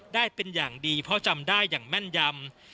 ได้เป็นอย่างดีเพราะจำได้อย่างแม่นยำ